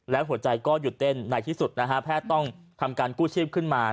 แล้วหัวใจก็หยุดเต้นในที่สุดนะฮะแพทย์ต้องทำการกู้ชีพขึ้นมา